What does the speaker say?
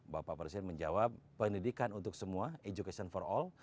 bapak presiden menjawab pendidikan untuk semua education for all